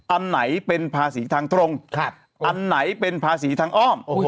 อันไหนเป็นภาษีทางตรงอันไหนเป็นภาษีทางอ้อม